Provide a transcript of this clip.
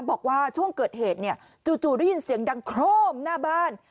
บอกว่าช่วงเกิดเหตุเนี่ยจู่ได้ยินเสียงดังโครมหน้าบ้าน